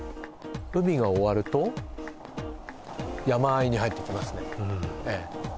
海が終わると山あいに入ってきますね